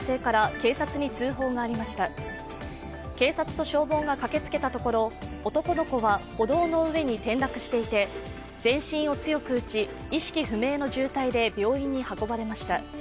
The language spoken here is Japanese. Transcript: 警察と消防が駆けつけたところ、男の子は歩道の上に転落していて全身を強く打ち意識不明の重体で病院に運ばれました。